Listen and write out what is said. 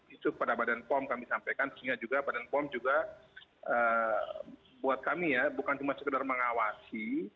itu kepada badan pom kami sampaikan sehingga juga badan pom juga buat kami ya bukan cuma sekedar mengawasi